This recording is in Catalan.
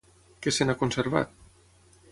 Què se n'ha conservat?